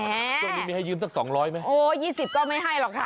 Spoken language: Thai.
ช่วงนี้มีให้ยืมสักสองร้อยไหมโอ้ย๒๐ก็ไม่ให้หรอกค่ะ